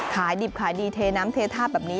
ขายดิบขายดีเทน้ำเททาแบบนี้